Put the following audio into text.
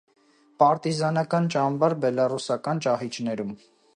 Պարտիզանական ճամբար բելառուսական ճահիճներում։